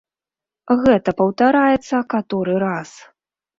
Гэта паўтараецца каторы раз.